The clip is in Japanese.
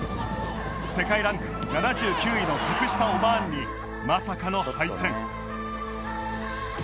世界ランク７９位の格下オマーンにまさかの敗戦